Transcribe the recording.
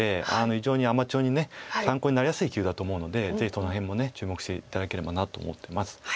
非常にアマチュアに参考になりやすい棋風だと思うのでぜひその辺も注目して頂ければなと思ってます。